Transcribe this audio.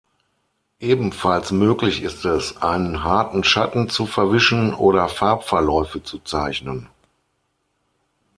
Ebenfalls möglich ist es, einen harten Schatten zu verwischen oder Farbverläufe zu zeichnen.